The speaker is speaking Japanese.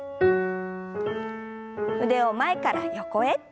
腕を前から横へ。